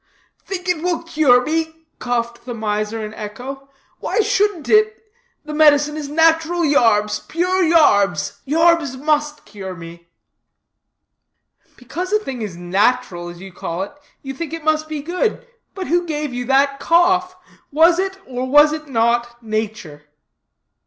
"Think it will cure me?" coughed the miser in echo; "why shouldn't it? The medicine is nat'ral yarbs, pure yarbs; yarbs must cure me." "Because a thing is nat'ral, as you call it, you think it must be good. But who gave you that cough? Was it, or was it not, nature?"